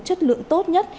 chất lượng tốt nhất